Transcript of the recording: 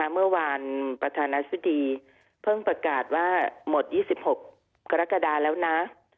ประธานาธิบดีเพิ่งประกาศว่าหมด๒๖กรกฎาแล้วนะ